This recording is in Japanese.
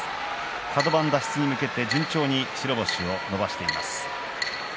カド番脱出に向けて順調に白星を伸ばしています。